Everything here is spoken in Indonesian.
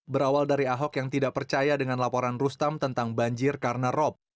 berawal dari ahok yang tidak percaya dengan laporan rustam tentang banjir karena rop